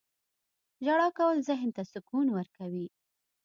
• ژړا کول ذهن ته سکون ورکوي.